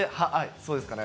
そうですかね。